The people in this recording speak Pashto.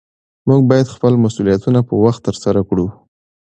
موږ باید خپل مسؤلیتونه په وخت ترسره کړو